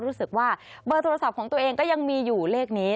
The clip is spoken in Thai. รู้สึกว่าเบอร์โทรศัพท์ของตัวเองก็ยังมีอยู่เลขนี้